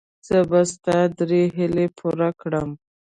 زه به ستا درې هیلې پوره کړم.